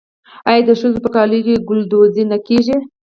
آیا د ښځو په کالیو کې ګلدوزي نه کیږي؟